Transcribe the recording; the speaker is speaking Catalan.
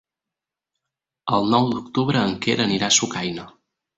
El nou d'octubre en Quer anirà a Sucaina.